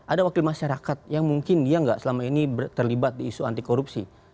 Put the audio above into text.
ada wakil masyarakat yang mungkin dia nggak selama ini terlibat di isu anti korupsi